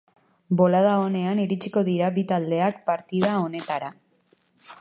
Bolada onean iritsiko dira bi taldeak partida honetara.